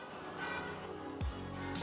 seakan akan anda berada di hutan hujan indonesia